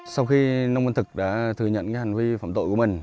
sau khi nông văn thực đã thừa nhận hành vi phạm tội của mình